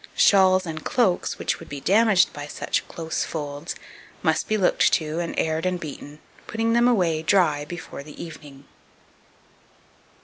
Shawls and cloaks, which would be damaged by such close folds, must be looked to, and aired and beaten, putting them away dry before the evening.